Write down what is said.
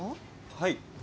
はい。